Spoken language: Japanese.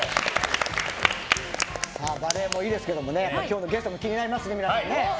バレーもいいですけど今日のゲストも気になりますね。